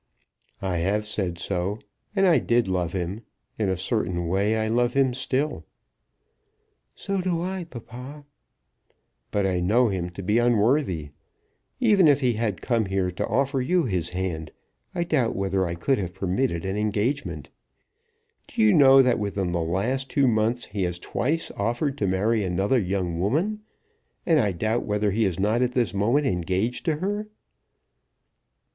"I have said so, and I did love him. In a certain way I love him still." "So do I, papa." "But I know him to be unworthy. Even if he had come here to offer you his hand I doubt whether I could have permitted an engagement. Do you know that within the last two months he has twice offered to marry another young woman, and I doubt whether he is not at this moment engaged to her?"